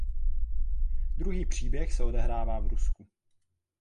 Druhý příběh se odehrává v Rusku.